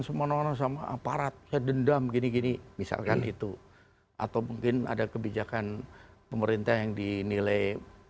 semua nono sama aparat saya dendam gini gini misalkan itu atau mungkin ada kebijakan pemerintah yang dinilai